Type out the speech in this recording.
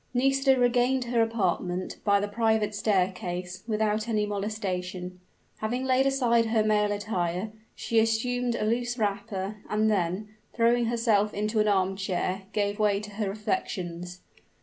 Nisida regained her apartment, by the private staircase, without any molestation. Having laid aside her male attire, she assumed a loose wrapper, and then, throwing herself into an armchair, gave way to her reflections.